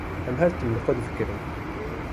Em her tim li xwe difikirin.